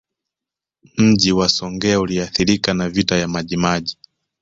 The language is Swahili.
Mji wa Songea uliathirika na Vita ya Majimaji